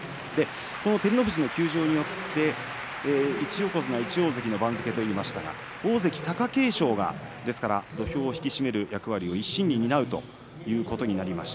照ノ富士の休場によって１横綱１大関の番付取りましたが大関貴景勝が土俵を引き締める役割を一身に担うということになりました。